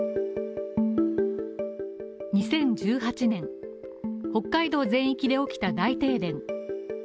２０１８年、北海道全域で起きた大停電。